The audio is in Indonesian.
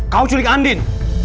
kamu culik andien